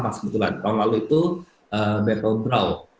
kan sebetulnya tahun lalu itu battleground